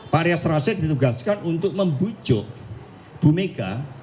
pak rias rashid ditugaskan untuk membujuk bumega